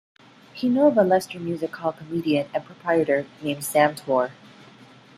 He knew of a Leicester music hall comedian and proprietor named Sam Torr.